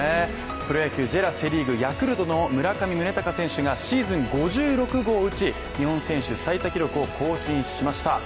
プロ野球ＪＥＲＡセ・リーグヤクルトの村上宗隆選手がシーズン５６号を打ち、日本選手最多記録を更新しました。